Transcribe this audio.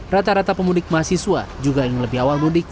rata rata pemudik mahasiswa juga yang lebih awal mudik